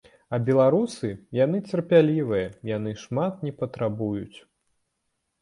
А беларусы, яны цярплівыя, яны шмат не патрабуюць.